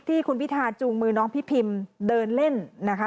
ที่คุณพิธาจูงมือน้องพี่พิมเดินเล่นนะคะ